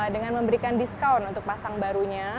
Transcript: dengan memberikan diskaun untuk pasang barunya